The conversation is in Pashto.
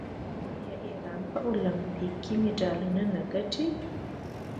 آیا ایران په المپیک کې مډالونه نه ګټي؟